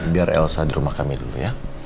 biar elsa di rumah kami dulu ya